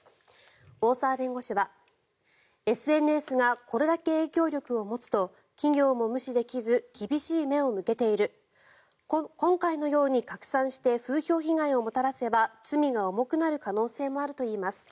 大澤弁護士はＳＮＳがこれだけ影響力を持つと企業も無視できず厳しい目を向けている今回のように拡散して風評被害をもたらせば罪が重くなる可能性もあるといいます。